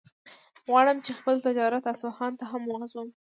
غواړم چې خپل تجارت اصفهان ته هم وغځوم.